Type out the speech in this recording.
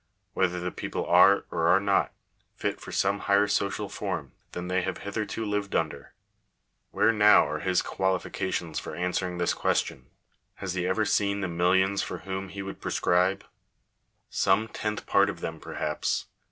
— whether the people are, or are not, fit for some higher social form than they have hitherto lived under ? Where now are his Digitized by VjOOQIC 472 CONCLUSION. qualifications for answering this question ? Has he ever seen the millions for whom he would prescribe ? Some tenth part of them perhaps.